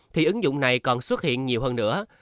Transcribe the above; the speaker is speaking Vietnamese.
thì ứng dụng này còn xuất hiện nhiều hơn nữa